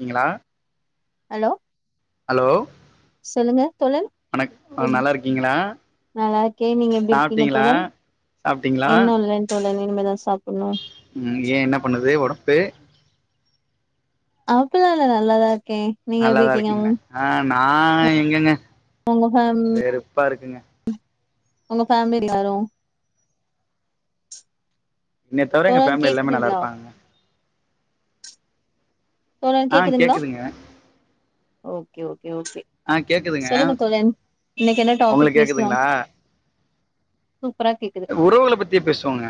நீங்களா hello hello சொல்லுங்க தோழன் எப் நல்லா இருக்கீங்களா நல்லாருக்கே நீங்க எப்டி இருக்கீங்க தோழன் சாப்டீங்ளா இன்னு இல்லன் தோழன் இனிமே தா சாப்புணு ம் ஏ என்ன பண்ணுது ஒடம்புக்கு அப்பில்லா இல்ல நல்லதாருக்கே நல்லாதாருக்கீங்க ஆ நா எங்கங்க உங்க ஃபேம் வெறுப்பாருக்குங்க ஒங்க ஃபேம்லி எல்லாரு என்னய தவிர எங்க தோழன் ஃபேம்லி எல்லாமே கேக்குதுங்ளா நல்லாருப்பாங்கங்க தோழன் ஆ கேக்குதுங்ளா கேக்குதுங்க ஓகே ஓகே ஓகே ஆ கேக்குதுங்க சொல்லுங்க தோழன் இன்னக்கி என்ன டாபிக் உங்களுக்கு பேசலா கேக்குதுங்களா சூப்பரா கேக்கு உறவுகள பத்தி பேசுவோங்க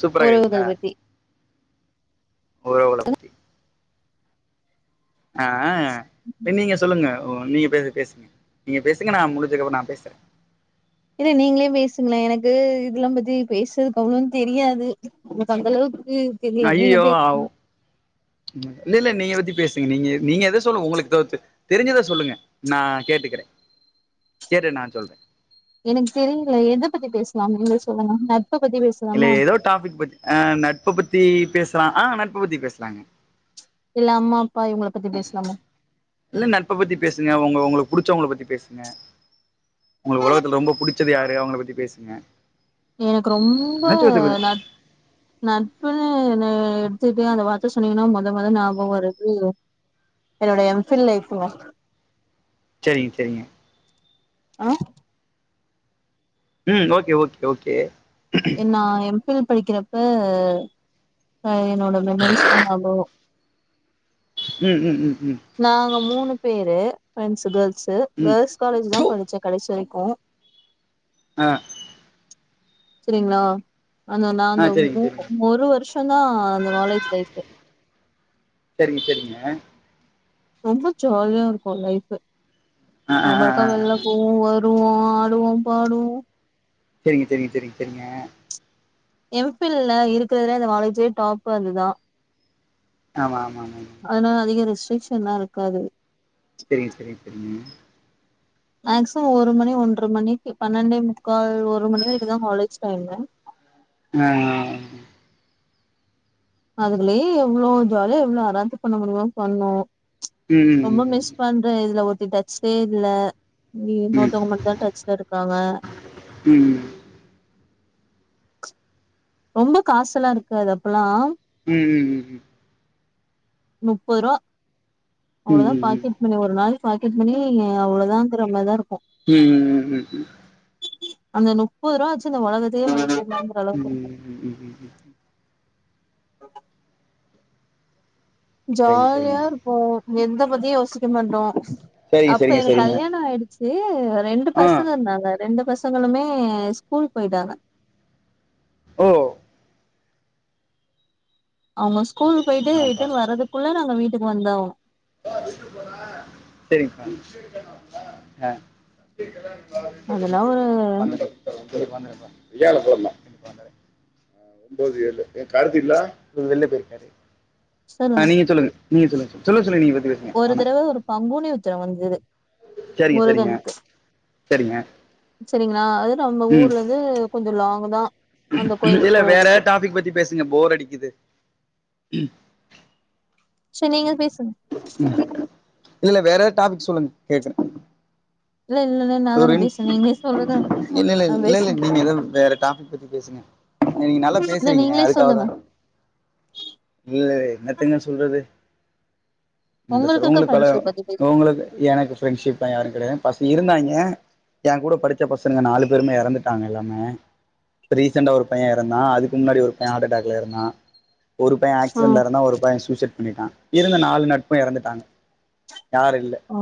சூப்பரா கேக்குதுங்ளா உறவுகள் பத்தி உறவுகள பத்தி ஆ ப்ப நீங்க சொல்லுங்க ஓ நீங்க பேச பேசுங்க நீங்க பேசுங்க நா முடிஞ்சக்கப்பறோ நா பேசுறே இல்ல நீங்ளே பேசுங்ளே எனக்கு இதுல்லா பத்தி பேசுறதுக்கு அவ்ளோன் தெரியாது எனக்கு அந்தளவுக்கு ஐய்யயோ அவ் இல்லெல்ல நீங்க பத்தி பேசுங்க நீங்க நீங்க எதோ சொல்லு உங்களுக்கு தவிர்த்து தெரிஞ்சத சொல்லுங்க நா கேட்டுக்கிறே கேட்டு நா சொல்றே எனக்கு தெரில எத பத்தி பேசலா நீங்ளே சொல்லுங்க நட்ப பத்தி பே இல்ல எதோ டாபிக் பத்தி ஆ நட்ப பத்தி பேசலா ஆ நட்ப பத்தி பேசலாங்க இல்ல அம்மா அப்பா இவுங்கள பத்தி பேசலாமா இல்ல நட்ப பத்தி பேசுங்க ஒங்க ஒங்களுக்கு புடிச்சோங்கள பத்தி பேசுங்க ஒங்களுக்கு ஒலகத்துல ரொம்ப புடிச்சது யாரு அவுங்கள பத்தி பேசுங்க எனக்கு ரொம்ப ந நட்புனு எடுத்துகிட்டிங்கனா அந்த வார்த்த சொன்னீங்கன்னா மொத மொத ஞாபகோ வரது என்னோட எம் ஃபில் லைஃப்புங்க சேரிங் சேரிங்க ஆ ம் ஓகே ஓகே ஓகே நா எம் பில் படிக்கிறப்ப என்னோட மெமஸ் தா ஞாப வரு ம் ம் ம் ம் நாங்க மூணு பேரு ஃப்ரெண்ட்ஸ்சு கேர்ள்ஸ்சு ம் கேர்ள்ஸ் காலேஜ் தா ப்பு படிச்ச கடைசி வரைக்கு அ செரிங்களா அந்த நா ஆ அந்த சரிங்க ஓ சரிங்க ஒரு வர்ஷ் சந்தா அந்த காலேஜ் லைஃப்பு செரிங்க செரிங்க ரொம்ப ஜாலியா இருக்கு லைஃபு ஆ ஆ ஆ நம்ளுக்கா ஆ ஆ வெல்லன போவோ வருவோ ஆடுவோ பாடுவோ செரிங்க செரிங்க செரிங்க செரிங்க எம் பில்ல இருக்கறதுலே அந்த வாலேஜ்யே டாப் அதுதா ஆமா ஆமா ஆமாங்க அதனால அதிக ரெஸ்ட்ரெக்க்ஷன்னா இருக்காது செரிங்க செரி செரிங்க மேக்சிமம் ஒரு மணி ஒன்ற மணிக்கு பன்னெண்டே முக்கால் ஒரு மணி வரைக்கு தா காலேஜ் டைம்மு ஆ ஆ அதுக்குள்யே எவ்ளோ ஜாலியா எவ்ளோ அராத்து பண்ண முடியுமோ பண்ணோ ம் ரொம்ப மிஸ் ம் பண்ற இதுல ஒத்தி டச்சே இல்ல ம் இன்னொருத்தவங்க மட்டுதா டச்ல இருக்காங்க ம் ம் ரொம்ப காசுல்லா இருக்காது அப்பலா ம் ம் ம் ம் முப்பது ரூபா அவ்ளோதா ம் பாக்கெட் ணி ஒரு நாள் பாக்கெட் மணி அவ்ளதாங்கிற மாதிதா இருக்கு ம் ம் ம் ம் ம் அந்த முப்பது ரூபா வச்சு இந்த உலகத்தையே வாங்கிற்லாங்க ம் ம் ம் ம் ம் ம் ம் ம் ம் ஜாலியா சரிங்க இருக்கு எத பத்தியு யோசிக்க மாட்டோ சரிங்க சரிங்க அப்ப சரிங்க எனக்கு சரிங்க கல்யாணோ ஆயிடுச் சு ரெண்டு ஆ பசங்க இருந்தாங்க ரெண்டு பசங்களுமே ஸ்கூல் போயிட்டாங்க ஓ அவங்க ஸ்கூல் போயிட்டு ஆமாப்பா ரிட்டர்ன் வர்றதுக்குள்ள நாங்க வீட்டுக்கு வந்தாவானு கா வீட்டுக்கு போறன் செரிங்க்கா ஆ அதெல்லா ஒரு உங்க வந்து வியாழக்கிழமை போல்லலாம் எனக்கு வந்துேன் ஒன்பது ஏழு என் கார்த்தி இருந்தா வெல்லே பேயிப்பாரு ஆ நீங்க சொல்லுங்க நீங்க சொல்லுங்க சொல்லங்க சொல்லுங்க நீங்க பத்தி பே ஒரு தறவ ஒரு பங்குனி உத்தர வந்தது சரிங்க சரிங்க முருகன்க்கு சரிங்க செரிங்களா அது நம்ம ம் ஊர்லந் து கொஞ்ச லாங்கு தா அந்த கோயிலுக்கு இல்ல வேற போறதுக்கு எதா டாபிக் பத்தி பேசுங்க போர் அடிக்குது செரி நீங்க பேசுங்க ம் இல்ல இல்ல வேற எதா டாபிக் சொல்லுங்க கேக்றே இல்ல இல்ல இல்ல நா ஒரு தானே இன் பேசுறே நீங்களே சொல்லுங்க இல்ல இல்ல நா இல்ல இல்ல பேசுறே நீங்க எது வேற டாபிக் பத்தி பேசுங்க நீங்க நல்லா இல்ல பேசுறீங்க நீங்களே சொல்லுங்க அதுக்காகதா இல்ல என்னத்தங்க சொல்றது என்னத்த சொல்ல இருக்க உங்களுக்கு ஃப்ரெண்ட்ஷிப் பத்தி தடயு பேசுங்க உங்களுக்கு எனக் ப்ரெண்ட்ஷிப்ல்லா யாரு கெடையாது ஃபர்ஸ்ட் இருந்தாயிங் க ஏங்கூட படிச்ச பசங்க நாலு பேருமே எறந்துட்டாங்க எல்லாமே இப்ப ரீசன்டா ஒரு பையே எறந்தா அதுக்கு முன்னாடி ஒரு பையே ஹார்ட்டட்டாக்ல எறந்தா ஒரு பையே ம் ஆக்சிடெண்ட்ல எறந்தா ஒரு பையே சூசைட் பண்ணிட்டா இருந்த நாலு நட்பு எறந்துட்டாங்க யாருயில்ல ஓ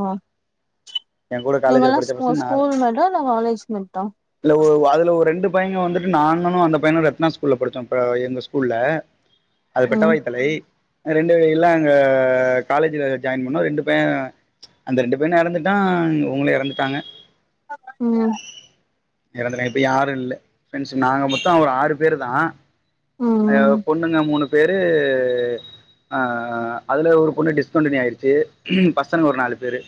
காலேஜ்ல இவங்கெல்லா படிச்ச ஸ்கூ பசங்க நாலு ஸ்கூல் மேட்டா இல்ல காலேஜ் மேட்டா இல்ல அதுல ஒரு ரெண்டு பைய்யங்க வந்துட்டு நாங்களு அந்த பையனு ரத்னா ஸ்கூல்ல படிச்சோ ப எங்க ஸ்கூல்ல அது பெட்ட ம் வாயித்தலைய் ரெண்டு எல்லா அங்க காலேஜ்ல ஜாயின் பண்ணோ ரெண்டு பையே அந்த ரெண்டு பையனு எறந்து ட்டா அவ்களு எறந்துட்டாங்க ம் எறந்துட்டாங்க இப்ப யாரு இல்ல ஃப்ரெண்ட்ஸ் நாங்க மொத்த ஒரு ஆறு பேரு தா ம் ம் அதாவ் பொண்ணுங்க மூணு பேரு அ அ அதுல ஒரு பொண்ணு டிஸ்கண்டினிவ் ஆயிடுச்சு பசங்க ஒரு நாலு பேரு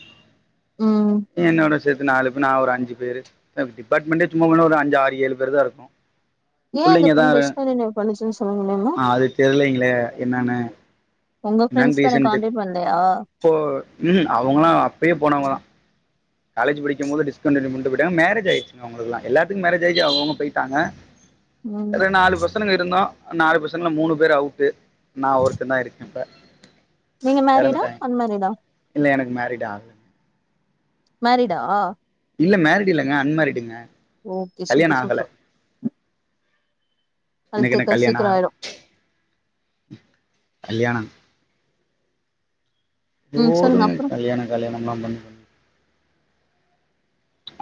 ம் என்னோட சேத்து நாலு பே நா ஒரு அஞ்சு பேரு அ டிபார்ட்மெண்ட்டே சும்மா ஒரு அஞ்சு ஆறு ஏழு பேர் தா இருக்கு ஏ அந்த பொண்ணு டிஸ்கண்டினியூவ் பண்ணுச்சுன்னு சொல்ல முடியுமா தெர்லைங்களே என்னான்னு உங்க ஃப்ரெண்ட்ஸ் தான கான்டெக்ட் பண்லையா இப்போ ம்ஹு அவங்கல்லா அப்பயே போனவங்க தா காலேஜ் படிக்கும் போது டிஸ்கண்டினியூ பண்ணிட்டு போயிட்டாங்க மேரேஜாயிச்சு அவுங்களுக்கெல்லா எல்லாத்துக்கு மேரேஜாச்சு அவுங்கவுங்க போயிட்டாங்க [inaudible] ம் த்த நாலு பசனங்க இருந்தோ நாலு பசங்கள்ல மூணு பேர் அவுட்டு நா ஒருத்ததா இருக்கே இப்ப நீங்க மேரிடா அன் மேரிடா இல்ல எனக்கு மேரீட் ஆகல மேரிடா இல்ல மேரிடு இல்லங்க அன் மேரிடுங்க ஓகே சூப்பர் சூப்பர் எனக்கு இன்னு கழுத்துக்க கல்யாணோ சீக்கிரோ அக ஆயிரு கல்யாணோ ம் சொல்லுங்க போதுங்க அப்றோ கல்யாணோ கல்யாணம்ல்லா பண்ணி பண்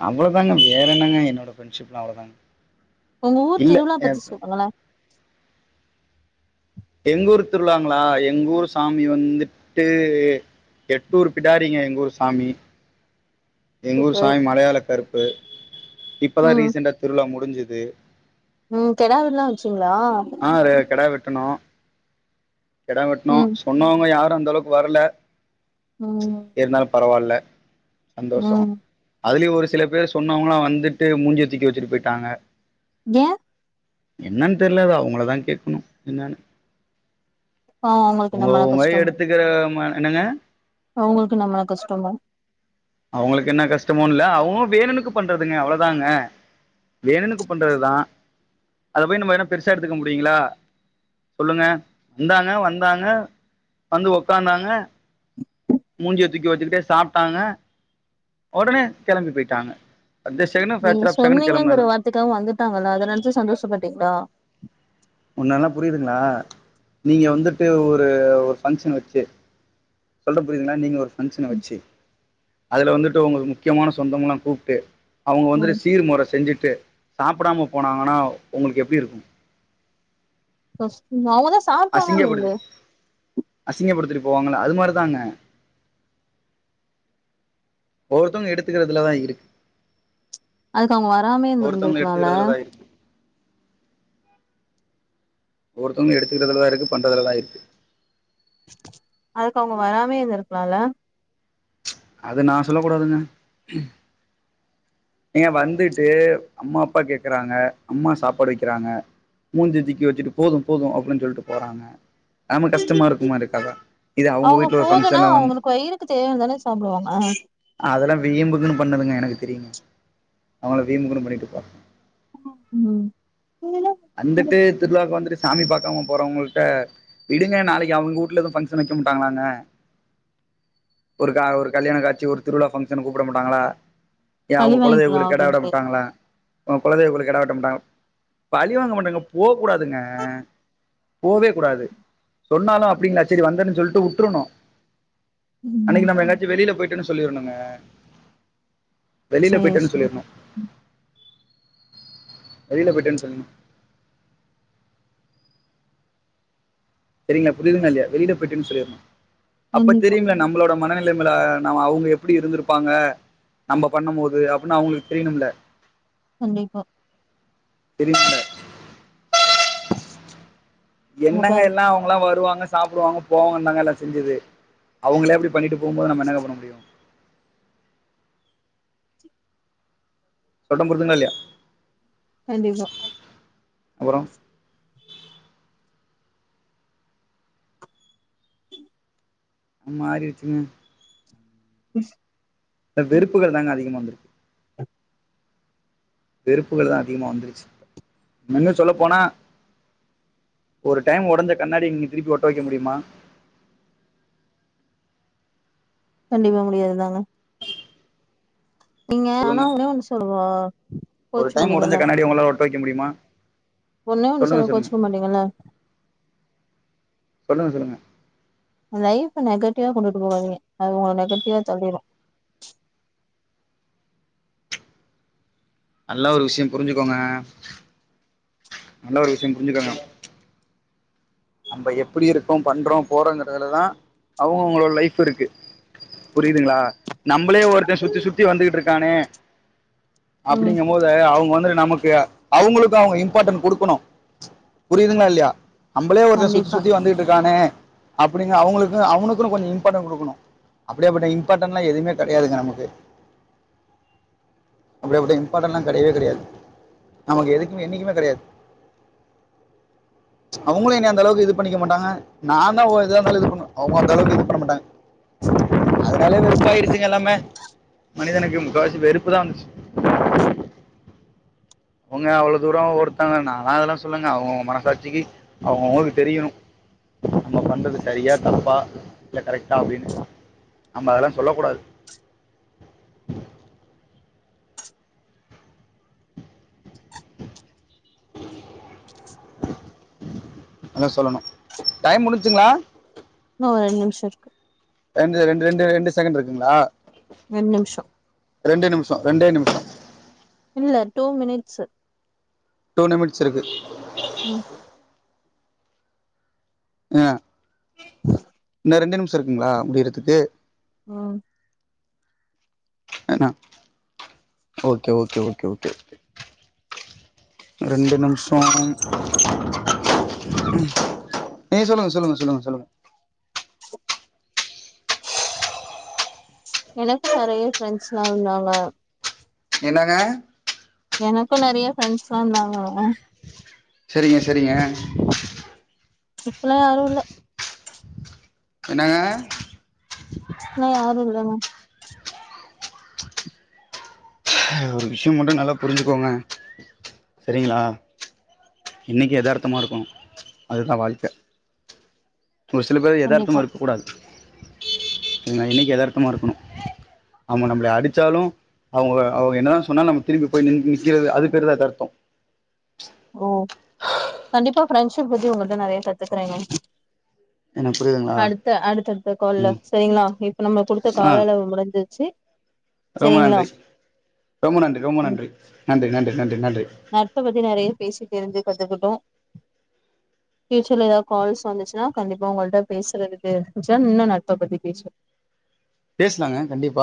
அவ்ளோதாங்க வேற என்னங்க என்னோட ஃப்ரண்ட்ஷிப்ல அவ்ளோ தாங்க உங்க ஊர் திருவிழா பத்தி சொல்லுங்களே எங்க ஊர் திருவிழாங்களா எங்கூர் சாமி வந்துட்டு எட்டூர் பிடாரீங்க எங்கூர் சாமி எங்கூர் சூப்பர் சாமி மலையாள கருப் பு இப்பதா ம் ரீசெண்டா திருவிழா முடிஞ்சது ம் கெடா விருந்துலா வச்சிங்ளா ஆ ர கெடா வெட்டுணோ கெடா வெட்னோ ம் சொன்னவங்க யாரு அந்தளவுக்கு வரல ம் இருந்தாலு பரவால்ல சந்தோஷோ ம் அதுலயு ஒரு சில பேர் சொன்னவங்ளா வந்துட்டு மூஞ்ச தூக்கிவச்சுட்டு போயிட்டாங்க ஏ என்னன்னு தெர்ல அது அவங்களதா கேக்கணு என்னன்னு பாவோ அவங்களுக்கு என்ன ஒங்க மேல ஒங்க கஷ்டமா எடுத்துக்கிற ம என்னங்க அவங்களுக்கு என்ன மன கஷ்டமோ அவங்களுக்கு என்ன கஷ்டமோனு இல்ல அவுங்கோ வேணுனுக்கு பண்றதுங்க அவ்வளோதாங்க வேணுனுக்கு பண்றதுதா அத போயி நம்ம என்ன பெருசா எடுத்துக்க முடியுங்களா சொல்லுங்க இந்தாங்க வந்தாங்க வந்து உக்காந்தாங்க மூஞ்சிய தூக்கி வச்சுக்கிட்டே சாப்ட்டாங்க ஒடனே கெளம்பி போயிட்டாங்க அடுத்த செகண்டு ஃப்ராக்ஷர் ஆஃப் செகன்டு கெளம்புனதா அதுக்காக வந்துட்டாங்கள்ள அத நெனச்சு சந்தோஷப்பட்டுக்டா முன்னல்லா புரியுதுங்களா நீங்க வந்துட்டு ஒரு ஒரு ஃபங்க்ஷன் வச்சு சொல்ற புரியுதுங்களா நீங்க ஒரு ஃபங்ஷன ம் வச்சு அதுல வந்துட்டு உங்களுக் முக்கியமான சொந்தம்லா கூப்ட்டு அவுங்க ம் வந்துட்டு சீர்முற செஞ்சுட்டு சாப்டாம போனாங்கன்னா உங்களுக்கு எப்டி இருக்கு [unintelligible] அசிங்கப்படுத்து அசிங்கப்படுத்திட்டு போவாங்கள அது மாரிதாங்க ஒவ்வொருத்தவங்க எடுத்துக்குறதுலதா இருக்கு அதுக்கு அவங்க வராமே ஒருத்தவங்க இருந்திருந்திருக்கலாம்ல எடுத்துக்குறதுலதா இருக்கு ஒவ்வொருத்தவங்க எடுத்துக்கிறதுலதா இருக்கு பண்றதுலதா இருக்கு அதுக்கு அவங்க வராமே இருந்துருக்லால அது நா சொல்லக்கூடாதுங்க ஏங்க வந்துட்டு அம்மா அப்பா கேக்கறாங்க அம்மா சாப்பாடு வைக்குறாங்க மூஞ்சிய தூக்கி வச்சிட்டு போது போது அப்டின் சொல்லிட்டு போறாங்க நம கஷ்டமா இருக்குமா இருக்காதா இதே அவ்ங்க வீட்ல ஒரு ஃபங்க்ஷன்ல வந்து க்கு தேவையானதான சாப்புடுவாங்க அதெல்லா வீம்புக்குன்னு பண்ணுதுங்க எனக்கு தெரியுங்க அவங்கலா வீம்புக்குன்னு பண்ணிட்டு போ ம் அந்துட்டு திருவிழாக்கு வந்துட்டு சாமி பாக்காம போறவங்கள்ட்ட விடுங்க நாளைக்கு அவனுங்க ஊட்டுல எதுவு ஃபங்ஷன் வைக்க மாட்டாங்களாங்க ஒரு கா ஒரு கல்யாண காட்சி ஒரு திருவிழா ஃபங்க்ஷன் கூப்புட மாட்டாங்களா ஏ பழி அவங்க குலதெய்வ வாங்கிக்கலா கோவிலுக்கு கெடா வெட்ட அப்டின்ட்டு மாட்டாங்களா உங்க குலதெய்வ கோவிலுக்கு கெடா வெட்ட மாட்டாங் பழிவாங்க மாட்டங்க போ கூடாதுங்க போவே கூடாது சொன்னாலு அப்டிங்களா சரி வந்தர்ன்ன சொல்லிட்டு உட்ரணு ம் அன்னைக்கு நம்ம எங்காச்சு வெளில போயிட்டன்னு சொல்லிரனுங்க வெளில சேரி போயிட்டேன் சேரி சொல்லிர்னு வெளில போயிட்டேன் சொல்லிர்னு செரிங்ளா புரியுதுங்களா இல்லையா வெளியில போயிட்டேனு சொல்லிரனு அப்ப கண்டிப்பா தெரியுங்களா நம்மளோட மன நெல லமேல நம அவ்ங்க எப்டி இருந்திருப்பாங்க நம்ப பண்ணும் போது அப்டின்னு அவங்களுக்கு தெரியணும்ல கண்டிப்பா தெரியனும்ல உங்க என்னங்க பாரு எல்லா அவங்கல்லா வருவாங்க சாப்டுவாங்க போவாங்கன்தாங்க எல்லா செஞ்சுது அவங்களே இப்டி பண்ணிட்டு போம்போது நாம என்னக பண்ண முடியு சொல்ற புருதுங்கல்லா இல்லையா கண்டிப்பா அப்புறம் அ மாறிச்சுங்க [unintelligible] இப்ப வெறுப்புகள் தாங்க அதிகமா வந்துருக்கு. வெறுப்புகள் தா அதிகமா வந்துருச்சு இப்ப மின்ன சொல்லப்போனா ஒரு டைம் ஒடஞ்ச கண்ணாடிய நீங்க திருப்பி ஒட்ட வைக்க முடிமா? கண்டிப்பா முடியாதுதாங்க. நீங்க ஆனா சொல்லுங்க ஒன்னே ஒண்ணு சொல்லவா ஒரு கோச்சுக்க டைம் ஒடஞ்ச மாட்டீங்கல்ல கண்ணாடிய உங்களா ஒட்ட வைக்க முடிமா? ஒன்னே ஒன்னு சொன்னா கோச்சுக்க மாட்டிங்கள்ல. சொல்லுங்க சொல்லுங்க. லைஃப நெகட்டிவா கொண்டுட்டு போவாதீங்க அது உங்கள நெகட்டிவா தள்ளிரு. நல்லா ஒரு விஷ்யம் புரிஞ்சுக்கோங்க. நல்ல ஒரு விஷ்யம் புரிஞ்சுக்கோங்க. நம்ப எப்பிடி இருக்கோ பண்றோ போறோங்கறதுலதா அவுங்கவுங்களோட லைஃப் இருக்கு. புரிதுங்ளா நம்பளயே ஒருத்த சுத்தி சுத்தி வந்துகிட்ருக்கானே ம் அப்டிங்கம் போது அவுங்க வந்து நமக்கு அவுங்களுக்கு அவுங்க இம்பாட்டன் குடுக்குணு. புரிதுங்ளா இல்யா நம்பளயே ஒருத்த சுத்தி கண்டிப்பா சுத்தி வந்துகிட்டு கானே அப்டினு அவுங்குளுக்கு அவுனுக்குனு கொஞ்சோ இம்பாட்டன் குடுக்குணு. அப்டியாப்பட்ட இம்பாட்டன்லா எதுமே கெடையாதுங்க நமக்கு. அப்டியாப்பட்ட இம்பாட்டன்லா கெடைவே கெடையாது. நமக் எதுக்மே என்னிக்மே கெடையாது அவுங்குளு என்ய அந்தளவுக்கு இது பண்ணிக்க மாட்டாங்க. நாந்தா ஒ எதாந்தாலு இது பண்ணுவ. அவுங்க அந்த அளவுக்கு இது பண்ண மாட்டாங்க. அதுனாலயே வெறுப்பாயிருச்சுங்க எல்லாமே. மனிதனுக்கு முக்காவாசி வெறுப்பு தா வந்துச்சு. அவுங்க அவ்ளோ தூரோ ஒருத்தன நாலா அதல்லா சொல்லங்க அவுங்கவுங்க மனசாட்சிக்கி அவுங்கவுங்களுக்கு தெரியணு. நம்ப பண்றது சரியா தப்பா இல்ல கரெக்ட்டா அப்டினு. நம்ப அதல்லா சொல்லக்கூடாது. என்ன சொல்லணு டைம் முடிஞ்ச்சுங்ளா? இன்னு ரெண் நிம்ஷ் இருக்கு. ரெண்டு ரெண்டு ரெண்டு ரெண்டு செகண்டு இருக்குங்ளா? ரெண் நிம்ஷோ. ரெண்டு நிமிஷோ ரெண்டே நிமிஷோ. இல்ல டூ மினிட்ஸு. டூ நிமிட்ஸ் இருக்கு. ம். அ இன்னு ரெண்டு நிம்ஷ இருக்குங்ளா முடிறதுக்கு? ம். அ ந okay okay okay okay okay. ரெண்டு நிம்ஷோ. ம் நீங்க சொல்லுங்க சொல்லுங்க சொல்லுங்க சொல்லுங்க. எனக்கு நெறைய ஃப்ரெண்ஸ்ல்லா இருந்தாங்க. என்னங்க? எனக்கு நெறைய ஃப்ரெண்ஸ்லா இந்தாங்க. செரிங்க செரிங்க. இப்பலா யாரு இல்ல. என்னாங்க? ப்பலா யாரு இல்லங்க. அ ஒரு விஷ்யோ மட்டு நல்லா புரிஞ்சுக்கோங்க செரிங்களா? இன்னைக்கு யதார்த்தமா இருக்கு அதுதா வாழ்க்க ஒரு சில பேர் கண்டிப்பா எதார்த்தமா இருக்கூடாது நா இன்னக்கி எதார்த்தமா இருக்கணு அவங்க நம்மள அடிச்சாலு அவங்க அவங்க என்னதா சொன்னாலு நம்ம திரும்பி போய் நி நிக்கிறது அதுக்கு பேருதா எதார்த்த ஓ கண்டிப்பா பிரெண்ட்ஷிப் பத்தி உங்கள்ட்ட நெறைய கத்துக்குறேங்க எனக்கு பு அடுத்த அடுத்த அடுத்த கால்ல சரிங்களா இப்ப நம்ம குடுத்த ஆ கால அளவு முடிஞ்சிருச்சு ரொம்ப சரிங்களா நன்றி ரொம்ப நன்றி ரொம்ப ம் நன்றி நன்றி நன்றி நன்றி நன்றி நட்ப பத்தி நெறைய பேசி தெரிஞ்சு கத்துக்கிட்டோ பியூச்சர்ல ஏதாவது கால்ஸ் வந்துச்சன்னா கண்டிப்ப உங்கள்ட்ட பேசுறதுக்கு இருச்சா இன்னு நட்ப பத்தி பேசுவோ பேசலாங்க கண்டிப்பா